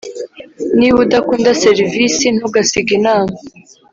niba udakunda serivisi, ntugasige inama.